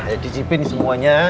ya dicipin semuanya